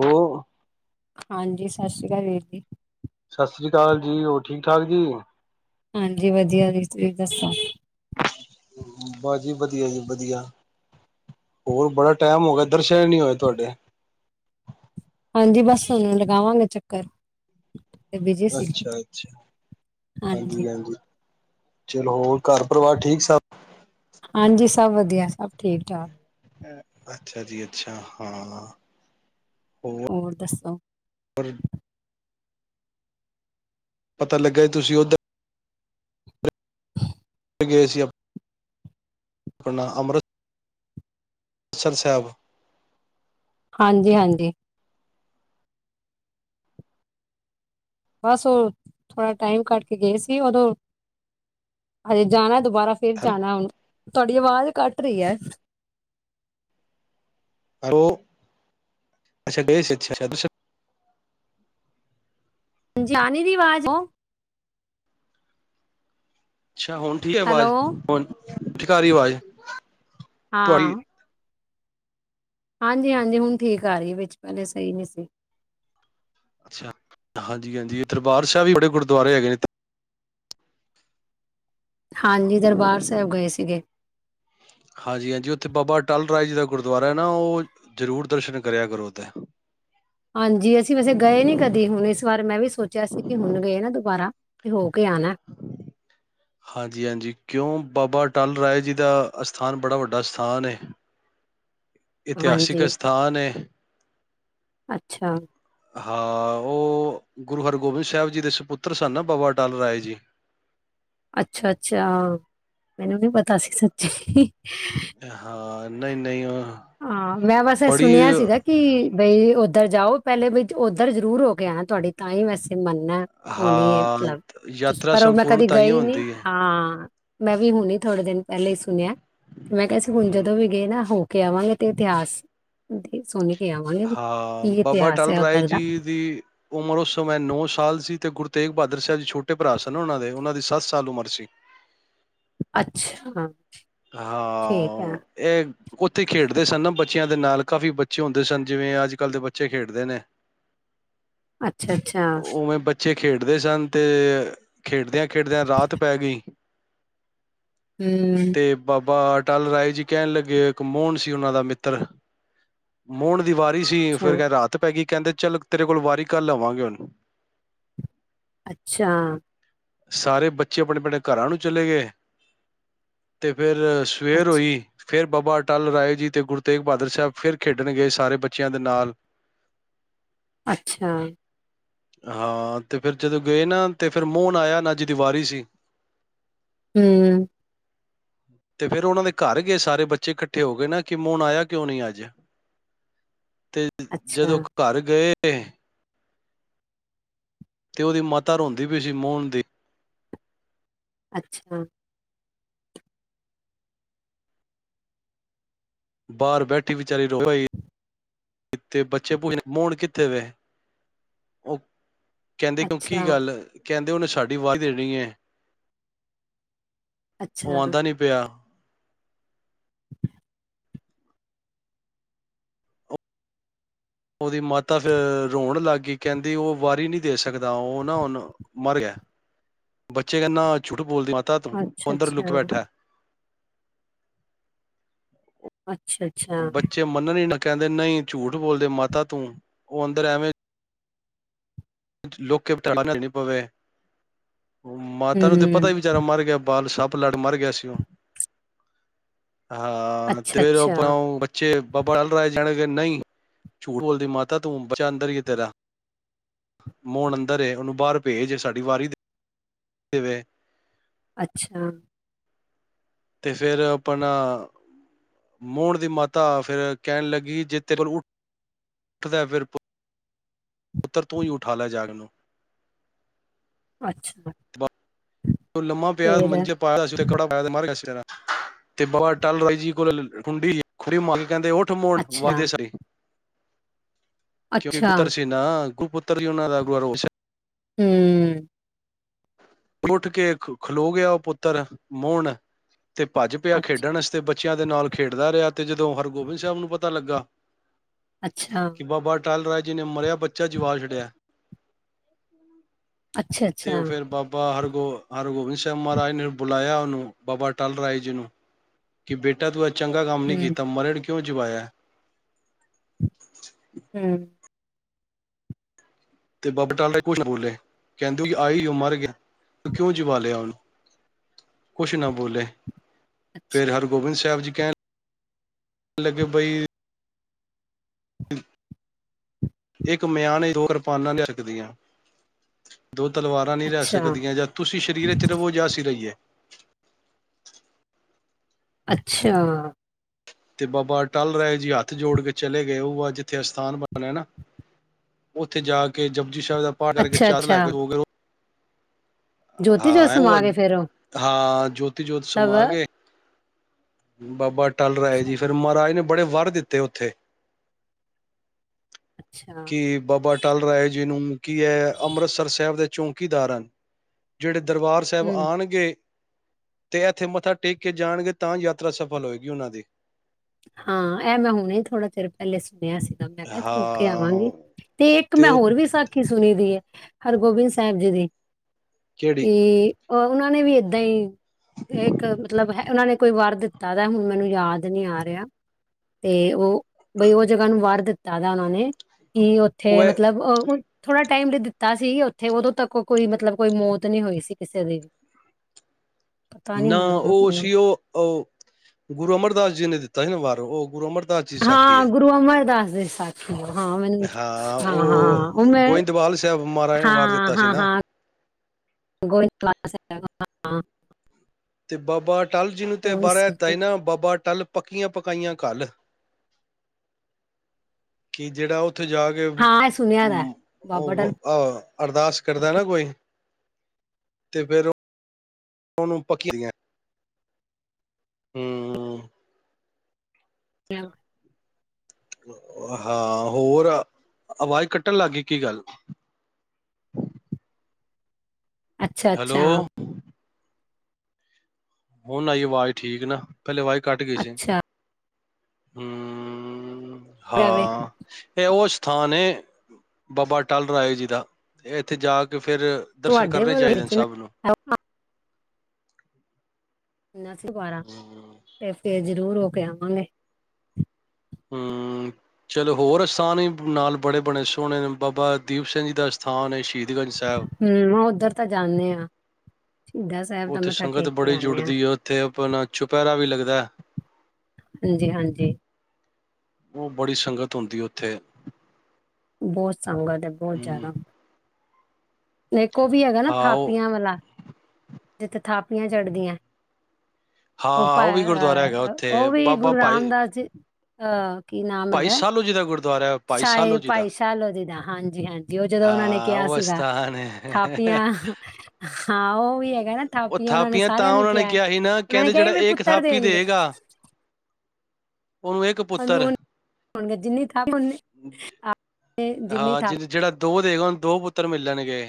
ਉਹ। ਹਾਂਜੀ ਸਤਿ ਸ੍ਰੀ ਅਕਾਲ ਵੀਰ ਜੀ। ਸਤਿ ਸ੍ਰੀ ਅਕਾਲ ਜੀ ਹੋਰ ਠੀਕ ਠਾਕ ਜੀ। ਹਾਂਜੀ ਵਧੀਆ ਜੀ, ਤੁਸੀਂ ਦੱਸੋ? ਬਹੁਤ ਵਧੀਆ, ਹੋਰ ਬੜਾ ਟਾਈਮ ਹੋ ਗਿਆ, ਦਰਸ਼ਨ ਨਹੀਂ ਹੋਏ ਤੁਹਾਡੇ। ਹਾਂਜੀ ਬਸ ਲਗਾਵਾਂਗੇ ਚੱਕਰ। ਤੇ ਬਿਜੀ ਸੀ ਅੱਛਾ ਅੱਛਾ, ਹਾਂਜੀ ਹਾਂਜੀ। ਚਲੋ ਹੋਰ, ਘਰ ਪਰਿਵਾਰ ਠੀਕ ਸਭ। ਹਾਂਜੀ ਸਭ ਵਧੀਆ ਸਭ ਠੀਕ ਠਾਕ। ਅੱਛਾ ਜੀ, ਅੱਛਾ, ਹਾਂ। ਹੋਰ ਦੱਸੋ? ਪਤਾ ਲੱਗਾ ਤੁਸੀਂ ਉੱਧਰ ਗਏ ਸੀ ਅ ਆਪਣਾ ਅੰਮ੍ਰਿਤ ਸਰ ਸਾਹਿਬ। ਹਾਂਜੀ ਹਾਂਜੀ। ਬਸ ਉਹ ਥੋੜਾ ਟਾਈਮ ਕੱਟ ਕੇ ਗਏ ਸੀ ਉਦੋਂ, ਹਜੇ ਜਾਣਾ। ਦੁਬਾਰਾ ਫ਼ੇਰ ਜਾਣਾ ਉਹਨਾਂ ਤੁਹਾਡੀ ਆਵਾਜ਼ ਕੱਟ ਰਹੀ ਹੈ। ਉਹ ਅੱਛਾ ਗਏ ਸੀ, ਅੱਛਾ- ਅੱਛਾ। ਜਾਨੀ ਦੀ ਆਵਾਜ਼ ਅੋ ਅੱਛਾ ਹੁਣ ਠੀਕ ਹੈ ਆਵਾਜ਼, ਹੈਲੋ ਹੁਣ। ਠੀਕ ਆ ਰਹੀ ਹੈ ਆਵਾਜ਼, ਬੁਆ ਹਾਂ। ਹਾਂਜੀ- ਹਾਂਜੀ ਹੁਣ ਠੀਕ ਆ ਰਹੀ ਹੈ, ਵਿੱਚ ਪਹਿਲੇ ਸਹੀ ਨੀ ਸੀ। ਅੱਛਾ, ਹਾਂਜੀ-ਹਾਂਜੀ ਦਰਬਾਰ ਸਾਾਹਿਬ ਵੀ ਬੜੇ ਗੁਰਦੁਆਰੇ ਹੈਗੇ ਨੇ ਏਥੇ ਹਾਂਜੀ, ਦਰਬਾਰ ਸਾਹਿਬ ਗਏ ਸੀਗੇ। ਹਾਂਜੀ- ਹਾਂਜੀ ਉੱਥੇ ਬਾਬਾ ਅਟਲ ਰਾਏ ਜੀ ਦਾ ਗੁਰਦੁਆਰਾ ਹੈ ਨਾ, ਉਹ ਜ਼ਰੂਰ ਦਰਸ਼ਨ ਕਰਿਆ ਕਰੋ ਉਥੇ। ਹਾਂਜੀ, ਅਸੀਂ ਵੈਸੇ ਗਏ ਨੀ ਕਦੀ ਹੁਣ ਇਸ ਵਾਰ ਮੈਂ ਵੀ ਸੋਚਿਆ ਸੀ ਕਿ ਹੁਣ ਗਏ ਨਾ ਦੁਬਾਰਾ ਤੇ ਹੋ ਕੇ ਆਣਾ ਹਾਂਜੀ-ਹਾਂਜੀ ਕਿਉਂ ਬਾਬਾ ਅਟਲ ਰਾਏ ਜੀ ਦਾ ਅਸਥਾਨ ਬੜਾ ਵੱਡਾ ਅਸਥਾਨ ਏ। ਇਤਿਹਾਸਿਕ ਹਾਂਜੀ ਅਸਥਾਨ ਹੈ। ਅੱਛਾ ਹਾਂ, ਉਹ ਗੁਰੂ ਹਰਗੋਬਿੰਦ ਸਾਹਿਬ ਜੀ ਦੇ ਸਪੁੱਤਰ ਸਨ ਨਾ ਬਾਬਾ ਅਟੱਲ ਰਾਏ ਜੀ ਅੱਛਾ-ਅੱਛਾ ਮੈਨੂੰ ਨਹੀ ਪਤਾ ਸੀ ਸੱਚੀ ਹਾਂ, ਨਹੀਂ-ਨਹੀਂ ਉਹ ਹਾਂ, ਮੈਂ ਬਸ ਇਹ ਸੁਣਿਆ ਬੜੀ ਸੀਗਾ ਕਿ ਬਈ ਉੱਧਰ ਜਾਓ, ਪਹਿਲੇ ਬਈ ਉੱਧਰ ਜਰੂਰ ਹੋ ਕੇ ਆਣਾ, ਤੁਹਾਡੀ ਤਾਂ ਹੀ ਵੈਸੇ ਤੇ ਮੰਨਣਾ ਹੋਣੀ ਏ ਹਾਂ ਮਤਲਬ ਯਾਤਰਾ ਪਰ ਉਹ ਮੈਂ ਸੰਪੂਰਨ ਕਦੀ ਤਾਂਹੀਓ ਗਈ ਨੀ ਹੁੰਦੀ ਹੈ। ਹਾਂ। ਮੈਂ ਵੀ ਹੁਣੀ ਥੋੜੇ ਦਿਨ ਪਹਿਲੇ ਹੀ ਸੁਣਿਆ ਤੇ ਮੈਂ ਕਿਹਾ ਸੀ, ਹੁਣ ਹੂੰ ਜਦੋਂ ਵੀ ਗਏ ਨਾ ਉਹ ਕੇ ਆਵਾਂਗੇ ਤੇ ਇਤਿਹਾਸ ਦੀ ਸੋਹਣੀ ਹਾਂ, ਬਾਬਾ ਅੱਟਲ ਰਾਏ ਜੀ ਦਾ ਦੀ ਉਮਰ ਉਸ ਸਮੇ ਨੌਂ ਸਾਲ ਸੀ, ਤੇ ਗੁਰ ਤੇਗ ਬਹਾਦਰ ਸਾਹਿਬ ਜੀ ਛੋਟੇ ਭਰਾ ਸਨ ਉਹਨਾਂ ਦੇ ਉਹਨਾਂ ਦੀ ਸੱਤ ਸਾਲ ਉਮਰ ਸੀ ਅੱਛਾ ਠੀਕ ਹੈ ਹਾਂ, ਇਹ ਉੱਥੇ ਖੇਡਦੇ ਸਨ ਨਾ ਬੱਚਿਆਂ ਦੇ ਨਾਲ ਕਾਫੀ ਬੱਚੇ ਹੁੰਦੇ ਸਨ, ਜਿਵੇਂ ਅੱਜ ਕੱਲ੍ਹ ਦੇ ਬੱਚੇ ਖੇਡਦੇ ਨੇ ਅੱਛਾ-ਅੱਛਾ ਉਵੇਂ ਬੱਚੇ ਖੇਡਦੇ ਸਨ ਤੇ ਖੇਡਦਿਆਂ- ਖੇਡਦਿਆਂ ਰਾਤ ਪੈ ਗਈ ਹੂੰ ਤੇ ਬਾਬਾ ਅੱਟ ਅੱਟਲ ਰਾਏ ਜੀ ਕਹਿਣ ਲੱਗੇ ਇੱਕ ਮੋਹਨ ਸੀ, ਉਹਨਾਂ ਦਾ ਮਿੱਤਰ ਮੋਹਣ ਦੀ ਵਾਰੀ ਸੀ, ਅੱਛਾ ਫਿਰ ਕ ਰਾਤ ਪੈ ਗਈ ਕਹਿੰਦੇ ਚੱਲ ਤੇਰੇ ਕੋਲੋਂ ਵਾਰੀ ਕੱਲ ਲਵਾਂਗੇ‌ ਹੁਣ ਅੱਛਾ, ਸਾਰੇ ਬੱਚੇ ਆਪਣੇ ਆਪਣੇ ਘਰਾਂ ਨੂੰ ਚਲੇ ਗਏ ਤੇ ਫਿਰ ਸਵੇਰ ਅੱਛਾ ਹੋਈ। ਫਿਰ ਬਾਬਾ ਅਟੱਲ ਰਾਏ ਜੀ ਤੇ ਗੁਰੂ ਤੇਂਗ ਬਹਾਦਰ ਸਾਹਿਬ ਫਿਰ ਖੇਡਣ ਗਏ ਸਾਰੇ ਬੱਚਿਆਂ ਦੇ ਨਾਲ ਅੱਛਾ ਹਾਂ, ਤੇ ਫਿਰ ਜਦੋਂ ਗਏ ਨਾ ਤੇ ਫਿਰ ਮੋਹਨ ਆਇਆ ਨਾ ਜਿਹਦੀ ਵਾਰੀ ਸੀ ਹਮ ਤੇ ਫਿਰ ਉਹਨਾਂ ਦੇ ਘਰ ਗਏ ਸਾਰੇ ਬੱਚੇ ਇਕੱਠੇ ਹੋ ਕੇ, ਨਾ ਕਿ ਮੋਹਨ ਆਇਆ ਕਿਉਂ ਨਹੀਂ ਅੱਜ ਤੇ ਅੱਛਾ ਜਦੋਂ ਘਰ ਗਏ ਅਤੇ ਤੇ'ਉਹਦੀ ਮਾਤਾ ਰੋਂਦੀ ਵੀ ਸੀ ਮੋਹਣ ਦੀ ਅੱਛਾ। ਬਾਹਰ ਬੈਠੀ ਵਿਚਾਰੀ ਰੋਂ ਪਈ, ਤੇ ਬੱਚੇ ਪੁੱਛਨੇ ਮੋੜ ਕਿੱਥੇ ਵੇ ਉਹ ਕਹਿੰਦੇ ਕਿਉਂ ਕਿ ਅੱਛਾ ਗੱਲ ਕਹਿੰਦੇ ਉਹਨੇ ਸਾਡੀ ਆਵਾਜ਼ ਦੇਣੀ ਹੈ। ਉਹ ਅੱਛਾ ਆਉਂਦਾ ਨੀ ਪਿਆ। ਉਹ- ਉਹਦੀ ਮਾਤਾ ਫਿਰ ਰੋਣ ਲਾੱਗੀ, ਕਹਿੰਦੀ ਉਹ ਵਾਰੀ ਨੀ ਦੇ ਸਕਦਾ, ਉਹ ਨਾ ਹੁਣ ਮਰ ਗਿਆ ਬੱਚੇ ਨਾ ਛੂਟ ਬੋਲਦੀ ਮਾਤਾ ਤੂੰ ਅੱਛਾ ਅੰਦਰ ਲੁੱਕ ਬੈਠਾ ਅੱਛਾ। ਅੱਛਾ ਅੱਛਾ ਬੱਚੇ ਮੰਨਣ ਹੀ ਨਾ। ਕਹਿੰਦੇ ਨਹੀਂ ਝੂਠ ਬੋਲਦੇ ਮਾਤਾ ਤੂੰ ਉਹ ਅੰਦਰ ਐਵੇਂ ਲੋਕ ਕੇ [unintelligible] ਪਵੇ ਮਾਤਾ ਨੂੰ ਤੇ ਪਤਾ ਈ ਨੀ ਹੂੰ ਵਿਚਾਰਾ ਮਰ ਗਿਆ ਏ। ਬਾਲ ਸਪ ਲੜ ਮਰ ਗਿਆ ਸੀ ਉਹ ਹਾਂ ਅੱਛਾ ਤੇ ਆਪਣਾ ਅੱਛਾ ਓ ਬੱਚੇ ਬਾਬਾਲ ਰਿਹੇ ਨਹੀਂ ਝੂਠ ਬੋਲਦੀ ਮਾਤਾ ਤੂੰ ਬੱਚਾ ਅੰਦਰ ਹੀ ਹੈ ਤੇਰਾ। ਮੋਣ ਅੰਦਰ ਏ ਉਹਨੂੰ ਬਾਹਰ ਭੇਜ ਸਾਡੀ ਵਾਰੀ ਦੇਵੇ। ਅੱਛਾ। ਤੇ ਫੇਰ ਆਪਣਾ ਮੋਹਣ ਦੀ ਮਾਤਾ ਫ਼ੇਰ ਕਹਿਣ ਲੱਗੀ ਜੇ ਤੇਰੇ ਕੋਲ [unintelligible] ਪੁੱਤਰ ਤੂੰ ਹੀ ਉਠਾ ਲੈ ਜਾ ਕੇ ਓਹਨੂੰ। ਅੱਛਾ। ਲੰਮਾ ਪਿਆ ਫੇਰ ਮੰਜੇ ਪਾਇਆ ਦਾ ਸੀ ਉੱਤੇ ਕੜਾ ਪਾਇਆ ਦਾਸੀ ਤੇ ਬਾਬਾ ਅਟੱਲ ਜੀ ਕੋਲ ਹੁੰਡੀ ਖੜੀ ਮੱਲ ਕਹਿੰਦੇ ਉਠ ਮੋਣ ਅੱਛਾ ਵੱਦੇ ਕਿਉਂਕਿ ਅੱਛਾ ਪੁੱਤਰ ਸੀ ਨਾ ਇਕੋ ਪੁੱਤਰ ਸੀ ਉਹਨਾਂ ਦਾ ਗੁਰੂ ਰੋਸ਼ਨ ਹਮ। ਉੱਠ ਕੇ ਖਲੋ ਗਿਆ ਉਹ ਪੁੱਤਰ ਮੋਹਣ ਤੇ ਭੱਜ ਪਿਆ ਅੱਛਾ ਖੇਡਣ ਆਸਤੇ ਬਚ ਬੱਚਿਆਂ ਦੇ ਨਾਲ ਖੇਡਦਾ ਰਿਹਾ ਤੇ ਜਦੋਂ ਹਰਗੋਬਿੰਦ ਸਾਹਿਬ ਨੂੰ ਪਤਾ ਲੱਗਾ ਅੱਛਾ। ਅਟਾਲ ਰਾਇ ਜੀ ਨੇ ਮਰਿਆ ਬੱਚਾ ਜੀਵਾ ਛੱਡਿਆ ਅੱਛਾ-ਅੱਛਾ। ਆਰਗੋ ਹਰਗੋਬਿੰਦ ਸਿੰਘ ਮਹਾਰਾਜ ਨੇ ਬੁਲਾਇਆ ਉਹਨੂੰ ਬਾਬਾ ਟਲ ਰਾਏ ਜੀ ਨੂੰ ਕਿ ਬੇਟਾ ਤੂੰ ਚੰਗਾ ਕੰਮ ਨਹੀਂ ਹੂੰ ਕੀਤਾ ਮਰੇ ਨੂੰ [unintelligible] ਕਿਉ ਜਵਾਆ [unintelligible] ਹਮ [unintelligible] ਤੇ ਬੱਾਬ ਟਾਲਾ ਕੁਛ ਨਾ ਬੋਲੇ ਕਹਿੰਦੇੂ ਜ ਆਈ ਉਹ ਮਰ ਗਿਆ ਤੂੰ ਕਿਉਂ ਜਵਾ ਲਿਆ ਉਹਨੂੰ ਕੁਛ ਨਾ ਬੋਲੇ [unintelligible] ਫੇਰ ਹਰਗੋਬਿੰਦ ਸਾਹਿਬ ਜੀ [inaudible] ਕਹਿਣ ਲੱਗੇ ਬਈ [unintelligible] ਇੱਕ ਮਿਆਨ ਦੋ ਕਿਰਪਾਨਾਂ ਰਕਦੀਆਂ [unintelligible] ਦੋ ਤਲਵਾਰਾਂ ਨਹੀਂੀ ਰਹਿ ਅੱਛਾ ਸਕਦੀਆਂ ਜਾਂ ਤੁਸੀਂ ਸਰੀਰ ਚ ਰਵੋ ਜਾਸੀ ਰਹੀਏ [unintelligible] ਅੱਛਾ [unintelligible] ਤੇ ਬਾਬਾ ਟਲ ਰਾਏ ਜੀ ਹੱਥ ਜੋੜ ਕੇ ਚਲੇ ਗਏ ਉਹ ਆ ਜਿੱਥੇ ਅਸਥਾਨ ਬਣਿਆ ਨਾ ਉੱਥੇ ਜਾ ਕੇ ਜ [unintelligible] ਹਿਬ ਦਾ ਪਾਠ ਕਰਕੇ ਅੱਛਾ ਚਾਰ ਲੈ ਅੱਛਾ ਕੇ ਹੋਏ [unintelligible] ਜੋਤੀ ਜੋ ਉਹ ਸਮਾ ਗ ਫੇਰ ਉਹ ਹਾਂ [unintelligible] ਜੋਤ ਮਤਲਬ ਸਮਾ ਗਏ [unintelligible] ਬਬਰ [unintelligible] ਟਲ ਰਿਹਾ ਹੈ ਜੀ ਅੱਛਾ ਫਿਰ ਮਹਾਰਾਜ ਨੇ [unintelligible] ਬੜੇ ਵਾਹਰ ਦਿੱਤੇ ਉੱਥੇ [unintelligible] ਅੱਛਾ ਕਿ ਬਾਬਾ ਟਲ ਰਾਏ ਜੀ ਨੂੰ [unintelligible] ਕੀ ਹੈ ਅੰਮ੍ਰਿਤਸਰ ਸਾਹਿਬ ਦੇ ਚੌਂਕੀਦਾਰ ਹਨ ਜਿਹੜੇ [unintelligible] ਦਰਬਾਰ ਸਾਹਿਬ ਹੂੰ ਆਉਣਗੇ [unintelligible] ਤੇ ਇੱਥੇ ਮੱਥਾ ਟੇਕ ਕੇ ਜਾਣਗੇ ਤਾਂ ਯਾਤਰਾ ਸਫਲ ਹੋਏਗੀ ਉਹਨਾਂ ਦੀ [unintelligible] ਹਾਂ ਇਹ ਮੈਂ ਹੁਣੇ ਥੋੜਾ ਚਿਰ ਪਹਿਲੇ [unintelligible] ਸੁਣਿਆ ਸੀਗਾ ਮੈਂ ਕਿਹਾਥ ਹੋ ਕੇ ਆਵਾਂਗੀ ਹਾਂ ਤੇ ਇੱਕ ਮੈਂ ਹੋਰ ਵੀ ਸੱਚ [unintelligible] ਸੁਣੀ ਦੀ ਹੈ ਹਰਗੋਬਿੰਦ ਸਾਹਿਬ ਜੀ ਦੀ [unintelligible] ਕਿਹੜੀ ਤੇ [unintelligible] ਉਹਨਾਂ ਨੇ ਵੀ ਏਦਾਂ ਹੀ ਇੱਕ ਮਤਲਬ ਹੈ ਉਹਨਾਂ ਨੇ ਕੋਈ ਵਰ ਦਿੱਤਾ ਦਾ ਹੁਣ ਮੈਨੂੰ ਯਾਦ ਨਹੀਂ ਆ ਰਿਹਾ [unintelligible] ਰਿ ਤੇ ਉਹ [unintelligible] ਬਈ ਉਹ ਜਗ੍ਹਾ ਨੂੰ ਵਾਰ ਦਿੱਤਾ [unintelligible] ਦਦਾ ਨਾਨ ਨੇ [unintelligible] ਕੀ ਉੱਥੇ ਉਹ ਹੈ ਮਤਲਬ [unintelligible] ਥੋੜ੍ਹਾ ਟਾਈਮ ਵੀ ਦਿੱਤਾ ਸੀ ਉੱਥੇ ਉਦੋਂ ਤੱਕ ਕੋਈ ਮਤਲਬ ਕੋਈ ਮੌਤ ਨਹੀਂ ਹੋਈ ਸੀ ਕਿਸੇ ਦੀ [unintelligible] ਪਤਾ ਨੀ ਨਾ ਹੁਣ ਉਹ ਮੈਨੂੰ- ਸੀ ਉਹ ਗੁਰੂ ਅਮਰਦਾਸ ਜੀ ਨੇ ਦਿੱਤਾ [unintelligible] ਤਨ ਵਾਰ ਉਹ ਗੁਰੂ ਅਮਰ [unintelligible] ਹਾਂ ਗੁਰੂ ਅਮਰਦਾਸ ਜਸਾਖ [unintelligible] ਹਾਂ ਮੈਨੂੰ ਹਾਂ ਹਾਂ ਉਹ ਮੈਂ ਗੋਇੰਦਵਾਲ ਸਾਹਿਬ ਮਹਾਰਾਜ ਨੇ ਵਾਰ ਹਾਂ ਦਿੱਤਾ ਸੀ ਹਾਂ ਨਾ ਹਾਂ [inaudible] ਤੇ ਬਾਬਾ ਅਟਲ ਜੀ ਨੂੰ ਤੇ, ਉਹ ਵੀ ਬਾਰਾ ਸੀ ਤਾਹੀ ਨਾ ਬਾਬਾ ਅਟਲ ਪੱਕੀਆਂ ਪਕਾਈਆਂ ਘਰ, ਕੀ ਜਿਹੜਾ ਉਹ ਉੱਥੇ ਜਾ ਕੇ- ਹਾਂ ਇਹ ਸੁਣਿਆ ਦਾ ਹੈ, ਬਾਬਾ ਡਲ [unintelligible] ਅਰਦਾਸ ਕਰਦਾ ਨਾ ਕੋਈ, ਤੇ ਫੇਿਰ ਉਹਨੂੰ ਪੱਕੀ ਦੀਆਂ, ਹਮ [unintelligible] ਹਾਂ ਹੋਰ, ਆਵਾਜ਼ ਕੱਟਣ ਲੱਗ ਗਈ ਕੀ ਗੱਲ ਹੈਲੋ ਅੱਛਾ-ਅੱਛਾ ਹੁਣ ਆਈ ਏ ਆਵਾਜ਼ ਠੀਕ ਨਾ ਪਹਿਲੇ ਆਵਾਜ ਕੱਟ ਗਈ ਸੀ ਅੱਛਾ [inaudible] ਰਵੇ ਹਾਂ, ਇਹ ਉਹ ਸ ਸਥਾਨ ਏ, ਬਾਬਾ ਅਟਲ ਰਾਏ ਜੀ ਦਾ ਇੱਥੇ ਜਾ ਕੇ ਫਿਰ, ਦਰਸ਼ਨ ਤੁਹਾਡੇ ਕਰਨੇ ਵੱਲ ਚਾਹੀਦੇ ਨੇ ਵਿੱਚ ਨਾ ਸਭ ਨੂੰ ਆਓ, ਉਨਾ ਸ ਬਾਰਾਂ ਹਮ [unintelligible] ਜ਼ਰੂਰ ਹੋ ਕੇ ਆਵਾਂਗੇ ਹਮ, ਚਲੋ ਹੋਰ ਅਸਥਾਨ ਵੀ ਨਾਲ ਬੜੇ- ਬਣੇ ਸੋਹਣੇ ਨੇ ਬਾਬਾ ਦੀਪ ਸਿੰਘ ਜੀ ਦਾ ਅਸਥਾਨ ਹੈ ਸ਼ਹੀਦ ਹਮ, ਉੱਧਰ ਤਾਂ ਜਾਂਦੇ ਹਾਂ ਉੱਥੇ ਸੰਗਤ ਬੜੀ ਆਉਂਦੇ ਆ ਜੁੜਦੀ ਹੈ, ਉੱਥੇ ਆਪਣਾ ਚੁਪਹਿਰਾ ਵੀ ਲੱਗਦੈ ਹਾਂਜੀ ਹਾਂਜੀ ਉਹ ਬੜੀ ਸੰਗਤ ਹੁੰਦੀ ਉੱਥੇ ਥੇ ਬਹੁਤ ਸਗਤ ਏ, ਬਹੁਤ ਜ਼ਿਆਦਾ ਨਹੀਂ ਓ ਵੀ ਹੈਗਾ ਨਾ, ਹਾਂ ਉਹ ਥਾਪੀਆਂ ਵਾਲਾ ਜਿੱਥੇ ਥਾਪੀਆਂ ਚੜ੍ਹਦੀਆਂ ਉਹ ਹਾਂ ਵੀ ਗੁਰਦੁਆਰਾ ਹੈਗਾ ਪਹਰ ਉੱਥੇ ਓਵੀ ਬਾਬਾ ਗੁਰੂ ਭਾਈ ਰਾਮਦਾਸ ਜੀ ਹਾਂ ਭਾਈ ਸਾਲੋ ਜੀ ਦਾ ਗੁਰ ਸਾ਼ਹੀ ਭਾਈ ਸਾਲੋ ਜੀ ਦਾ ਹਾਂਜੀ-ਹਾਂਜੀ ਜੇ ਉਹ ਜਦੋਂ ਉਹਨਾਂ ਨੇ ਹਾਂ, ਕਿਹਾ ਉਹ ਸੀਗਾ, ਅਸਥਾਨ ਥਾਪੀਆਂ ਹੈ। ਹਾਂ ਉਹ ਵੀ ਹੈਗਾ ਨਾ ਉਹ ਥਾਪੀਆਂ ਉਹਨਾਂ ਨੇ ਸਾਰਿਆਂ ਤਾਂ ਨੂੰ ਉਹਨਾਂ ਨੇ ਕਿਹਾ ਸੀ ਨਾ ਉਹਨਾਂ ਨੇ ਕਹਿੰਦੇ ਜਿਹੜਾ ਕਿਹਾ ਮੇਰੇ ਇੱਕ ਪੁੱਤਰ ਥਾਪੀ ਦੇਣਗੇ ਦੇਗਾ ਉਹਨੂੰ ਇੱਕ ਸਾਨੂੰ ਪੁੱਤਰ ਹੁਣ ਹੋਣਗੇ ਜਿੰਨੀ ਥਾਂ ਵਿੱਚ, ਆ ਹਾਂ, ਜਿ-ਜਿਹੜਾ ਦੋ ਦੇਖ ਹੁਣ ਦੋ ਪੁੱਤਰ ਮਿਲਣਗੇ,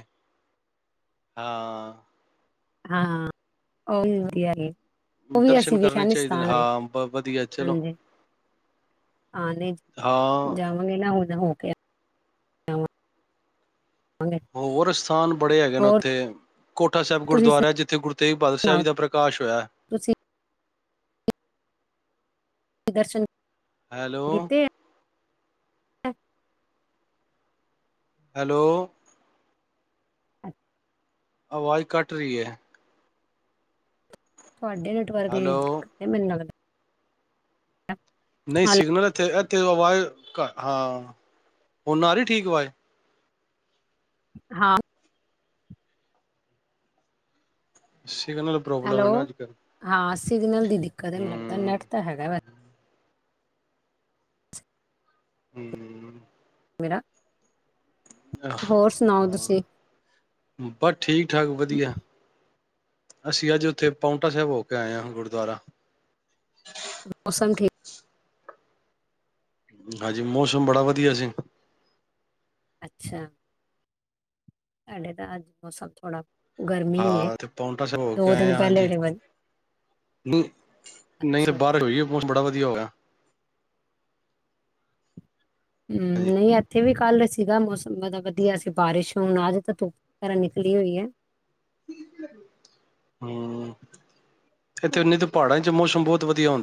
ਹਾਂ। ਹਾਂ, ਉਹਵੀ ਵਧੀਆ ਉਹ ਵੀ ਦਰਸ਼ਨ ਅਸੀਂ ਕਰਨੇ ਵਿਖਾਣੀ ਚਾਹੀਦੇ ਨੇ ਸਤਾਨ ਆਏ, ਹਾਂ ਬ ਵਧੀਆ ਚਲੋ ਹਾਂਜੀ, ਹਾਂ-ਨਹੀਂ, ਹਾਂ। ਜਾਵਾਂਗੇ ਨਾ ਹੁਣ ਹੋ ਕੇ ਆਵਾਂਗੇ ਹੋਰ ਸਥਾਨ ਬੜੇ ਹੈਗੇ ਨੇ ਹੋਰ ਉੱਥੇ ਕੋਠਾ ਸਾਹਿਬ ਤੁਸੀਂ ਗੁਰਦੁਆਰਾ ਜਿੱਥੇ ਗੁਰੂ ਤੇਗ ਬਹਾਦਰ ਸਾਹਿਬ ਜੀ ਸੁਣਾਓ ਦਾ ਪ੍ਰਕਾਸ਼ ਹੋਇਆ ਹੈ। ਤੁਸੀਂ ਦਰਸ਼ਨ ਹੈਲੋ। ਕੀਤੇ [inaudible] ਹੈਲੋ। ਆ? ਆਵਾਜ਼ ਘੱਟ ਰਹੀ ਹੈ। ਤੁਹਾਡੇ ਨੈਟਵਰਕ ਦੀ ਹੈਲੋ, ਦਿੱਕਤ ਮੈਨੂੰ ਲੱਗਦਾ। ਨਹੀਂ, ਹੈਲੋ ਸਿਗਨਲ ਏਥੇ ਤੇ ਆਵਾਜ਼, ਹਾਂ ਹੁਣ ਆਰੀ ਠੀਕ ਆਵਾਜ਼? ਹਾਂ। [unintelligible] ਸਿੰਗਲ ਪ੍ਰੋਬਲਮ ਹੈ ਹੈਲੋ ਨਾ ਅੱਜ-ਕੱਲ। ਹਾਂ ਸਿਗਨਲ ਦੀ ਦਿੱਕਤ ਐ ਮੈਨੂੰ ਲੱਗਦਾ ਨੈੱਟ ਤਾਂ ਹੈਗਾ ਵਾ। ਹਮ। ਮੇਰਾ ਹੋਰ ਸੁਣਾਓ ਆਹਾਂ, ਤੁਸੀਂ ਬਸ ਠੀਕ-ਠਾਕ ਵਧੀਆ। ਅਸੀਂ ਅੱਜ ਉੱਥੇ ਪਾਉਂਟਾ ਸਾਹਿਬ ਹੋ ਕੇ ਆਏ ਹਾਂ ਗੁਰਦੁਆਰਾ। ਮੌਸਮ ਠੀਕ ਹਾਂਜੀ, ਮੌਸਮ ਬੜਾ ਵਧੀਆ ਸੀ। ਅੱਛਾ, ਸਾਡੇ ਤਾਂ ਅੱਜ ਮੌਸਮ ਥੋੜਾ ਗਰਮੀ ਹੀ ਹੈ ਹਾਂ, ਤੇ ਪੋਂਟਾ ਸਾਹਿਬ ਹੋ ਕੇ ਦੋ ਆਏ ਦਿਨ ਆ, ਪਹਿਲੇ ਹਾਂਜੀ ਤੇ ਵਧ- ਨਹੀਂ-ਨਹੀਂ ਅੱਛਾ ਬਾਰਸ਼ ਹੋਈ ਏ ਮੌਸਮ ਬੜਾ ਵਧੀਆ ਹੋਇਆ। ਹਮ, ਹਾਂਜੀ ਨਹੀਂ ਐੱਥੇ ਵੀ ਕੱਲ ਸੀਗਾ ਮੌਸਮ ਬਦਾ ਵਧੀਆ ਸੀ ਬਾਰਿਸ਼ ਹੁਣ ਅੱਜ ਤਾਂ ਧੁੱਪ ਵਗੈਰਾ ਨਿਕਲੀ ਹੋਈ ਹੈ। ਹਮ। ਇੱਥੇ ਉਨੇ ਦੇ ਪਹਾੜਾ ਤੇ ਓਥੇ ਮੌਸਮ ਬਹੁਤ ਵਧੀਆ ਹੁੰਦਾ